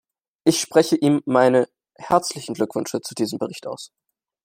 Ich spreche ihm meine herzlichen Glückwünsche zu diesem Bericht aus.